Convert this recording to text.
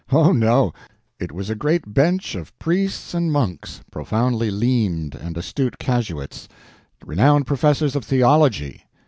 Oh no; it was a great bench of priests and monks—profoundly leaned and astute casuists—renowned professors of theology!